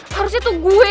harusnya tuh gue